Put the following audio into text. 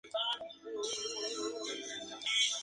Sin ella, todo lo demás carece de sentido.